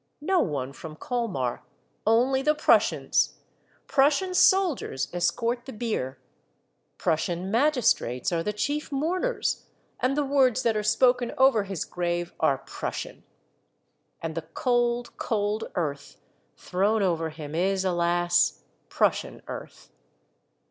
No one from Colmar, — only the Prussians ! Prussian soldiers escort the bier ; Prussian magistrates are the chief mourners ; and the words that are spoken over his grave are Prussian; and the cold, cold earth thrown over him is, alas ! Prussian earth.